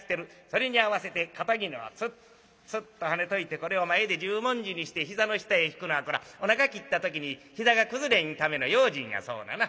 それに合わせて肩衣をツッツッとはねといてこれを前で十文字にして膝の下へ敷くのはこれはおなか切った時に膝が崩れんための用心やそうなな。